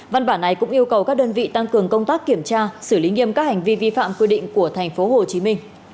văn bản này cũng yêu cầu các đơn vị tăng cường công tác kiểm tra xử lý nghiêm các hành vi vi phạm quy định của tp hcm